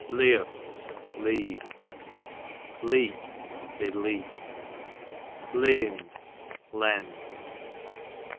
Leeof, leave. Leep, did leap. Leeond, lend.